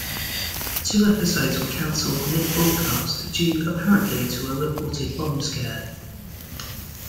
Two episodes were cancelled mid-broadcast due, apparently to a reported bomb scare.